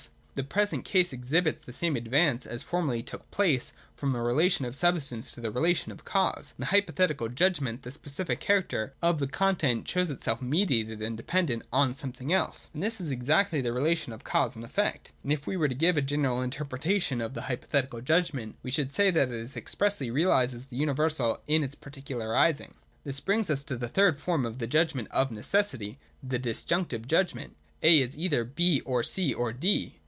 The present case exhibits the same advance as formerly took place from the relation of substance to the relation of cause. In the Hypothetical judgment the specific character of the content shows itself mediated and dependent on something else : and this is exactly the relation of cause and effect. And if we were to give a general interpretation to the Hypothetical judgment, we should say that it expressly 312 THE DOCTRINE OF THE NOTION. [177, 178 realises the univenal in its particularising. This brings us to the third form of the Judgment of Necessity, the Dis junctive judgment. A is either B ov C or D.